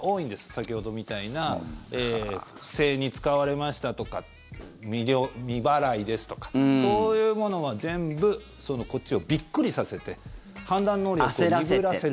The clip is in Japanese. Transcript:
先ほどみたいな不正に使われましたとか未払いですとかそういうものは全部こっちをびっくりさせて判断能力を鈍らせる。